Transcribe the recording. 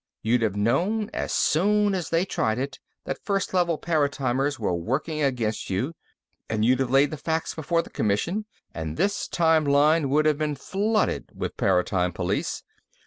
You'd have known, as soon as they tried it, that First Level paratimers were working against you, and you'd have laid the facts before the Commission, and this time line would have been flooded with Paratime Police.